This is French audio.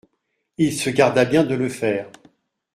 Il se garda bien de le faire.